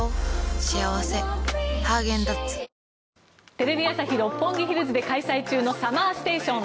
テレビ朝日・六本木ヒルズで開催中のＳＵＭＭＥＲＳＴＡＴＩＯＮ。